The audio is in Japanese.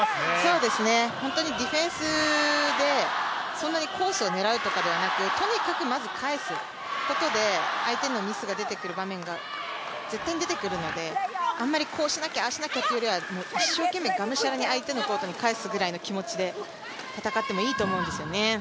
そうですね、ディフェンスでそんなにコースを狙うとかではなくとにかくまず返すことで、相手のミスが出てくる場面が絶対に出てくるので、あまり、こうしなきゃ、ああしなきゃというよりは一生懸命がむしゃらに相手のコートに返すぐらいの気持ちで戦ってもいいと思うんですよね。